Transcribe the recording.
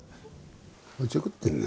おちょくってんな。